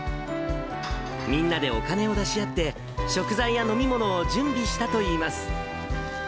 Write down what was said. みんなでお金を出し合って、食材や飲み物を準備したといいます。